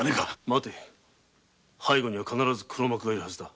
待て背後に黒幕がいるはずだ。